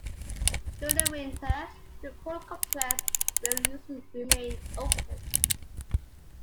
During the winter, the pool complex will usually remain open.